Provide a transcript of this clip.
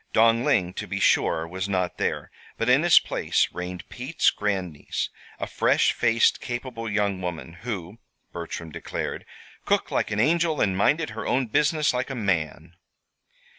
Dong Ling, to be sure, was not there; but in his place reigned Pete's grandniece, a fresh faced, capable young woman who (Bertram declared) cooked like an angel and minded her own business like a man.